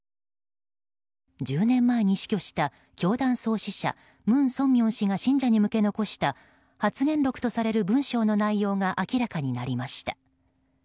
１０年前に死去した教団創始者・文鮮明氏が信者に向けて残した発言録とされる文章の内容が明らかになりました。